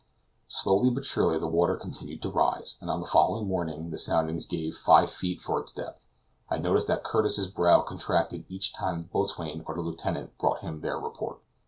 Slowly but surely the water continued to rise, and on the following morning the soundings gave five feet for its depth. I noticed that Curtis's brow contracted each time that the boatswain or the lieutenant brought him their report.